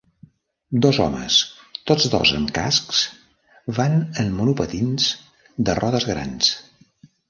Dos homes, tots dos amb cascs, van en monopatins de rodes grans.